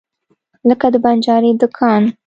لکه د بنجاري دکان.